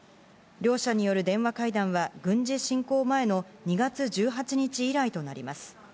両者による電話会談は軍事侵攻前の２月１８日以来となります。